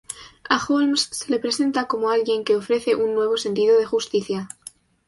A Holmes se le presenta como alguien que ofrece un nuevo sentido de justicia.